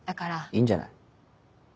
いいんじゃない？